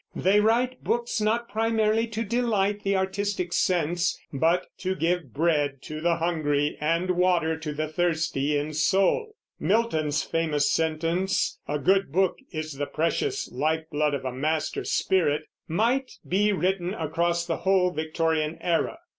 They write books not primarily to delight the artistic sense, but to give bread to the hungry and water to the thirsty in soul. Milton's famous sentence, "A good book is the precious life blood of a master spirit," might be written across the whole Victorian era.